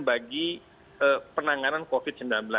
bagi penanganan covid sembilan belas